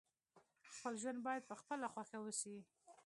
خپل ژوند باید په خپله خوښه وسي.